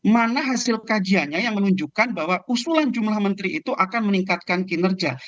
mana hasil kajiannya yang menunjukkan bahwa usulan jumlah menteri itu akan meningkatkan kinerja